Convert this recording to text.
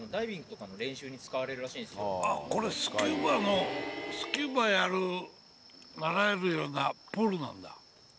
これスキューバのスキューバやる習えるようなプールなんだ。